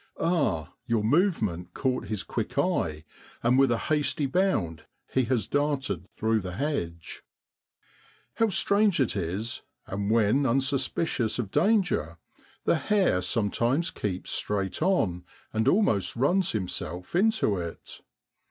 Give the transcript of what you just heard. Ah! your movement caught his quick eye, and with a hasty bound he has darted through the hedge. How strange it is, that when unsuspicious of danger, the hare sometimes keeps straight on, and almost runs himself into it